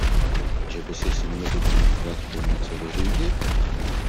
Že by si s nimi duch mrtvé chtěl něco vyřídit?